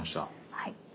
はい。